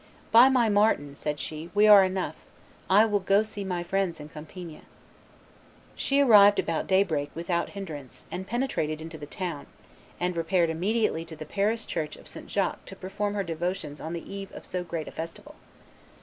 "By my martin," said she, "we are enough; I will go see my friends in Compiegne." She arrived about daybreak without hinderance, and penetrated into the town; and repaired immediately to the parish church of St. Jacques to perform her devotions on the eve of so great a festival.